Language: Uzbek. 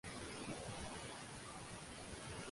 Gohida sur’atni tushirib yuboradigan komiklarni ko‘rganman.